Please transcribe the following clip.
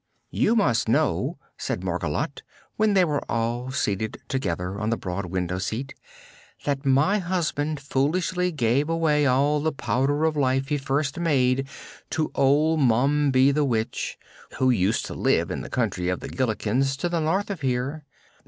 "You must know," said Margolotte, when they were all seated together on the broad window seat, "that my husband foolishly gave away all the Powder of Life he first made to old Mombi the Witch, who used to live in the Country of the Gillikins, to the north of here.